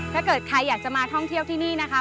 ถ้าเกิดใครอยากจะมาท่องเที่ยวที่นี่นะคะ